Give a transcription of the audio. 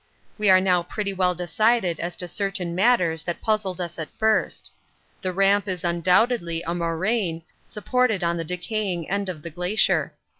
We are now pretty well decided as to certain matters that puzzled us at first. The Ramp is undoubtedly a moraine supported on the decaying end of the glacier.